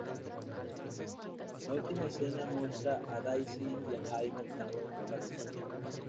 La última escena muestra a Daisy y Jay montando un carrusel.